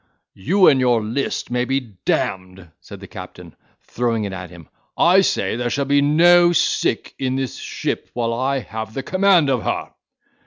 "You and your list may be d—n'd," said the captain, throwing it at him; "I say, there shall be no sick in this ship while I have the command of her."